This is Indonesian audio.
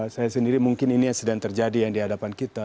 saya sendiri mungkin ini yang sedang terjadi yang di hadapan kita